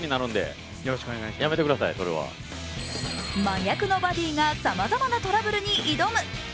真逆のバディがさまざまなトラブルに挑む。